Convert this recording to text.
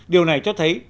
điều này cho thấy